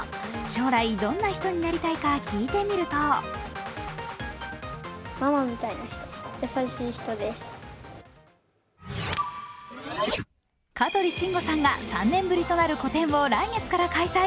将来、どんな人になりたいか聞いてみると香取慎吾さんが３年ぶりとなる個展を来月から開催。